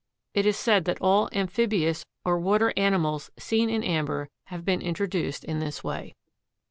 It is said that all amphibious or water animals seen in amber have been introduced in this way.